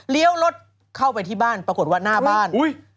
รถเข้าไปที่บ้านปรากฏว่าหน้าบ้าน